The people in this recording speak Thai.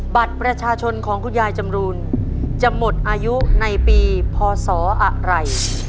บัตรประชาชนของคุณยายจำรูนจะหมดอายุในปีพศอะไร